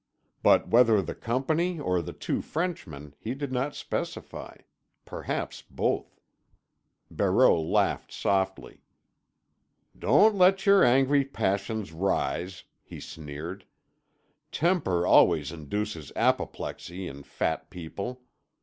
But whether the Company or the two Frenchmen he did not specify—perhaps both. Barreau laughed softly. "Don't let your angry passions rise," he sneered. "Temper always induces apoplexy in fat people.